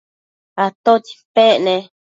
¿atótsi pec ne?